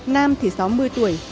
nam thì sáu mươi tuổi